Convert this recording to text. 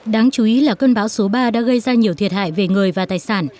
đáng chú ý là cơn bão số ba đã gây ra nhiều thiệt hại về người và tài sản